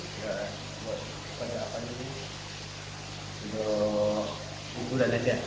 buat apa ini